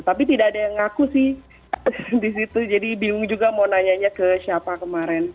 tapi tidak ada yang ngaku sih disitu jadi bingung juga mau nanyanya ke siapa kemarin